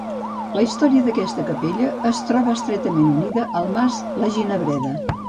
La història d'aquesta capella es troba estretament unida al mas la Ginebreda.